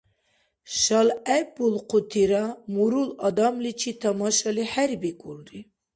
ШалгӀеббулхъутира мурул адамличи тамашали хӀербикӀулри.